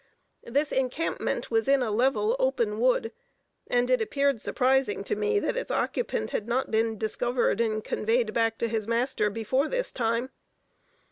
This encampment was in a level, open wood, and it appeared surprising to me that its occupant had not been discovered and conveyed back to his master before this time.